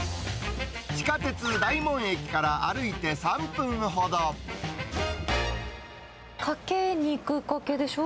地下鉄大門駅から歩いて３分かけ、肉かけでしょ。